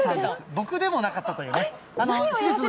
僕でもなかったというね。